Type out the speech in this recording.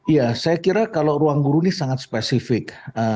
ya saya kira kalau ruangguru ini sangat spesifik